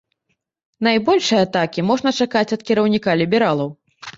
Найбольшай атакі можна чакаць ад кіраўніка лібералаў.